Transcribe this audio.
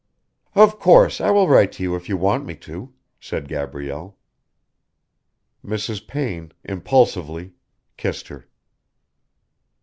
"Of course I will write to you if you want me to," said Gabrielle. Mrs. Payne, impulsively, kissed her.